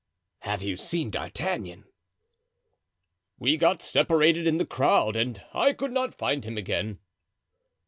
"Have you seen D'Artagnan?" "We got separated in the crowd and I could not find him again."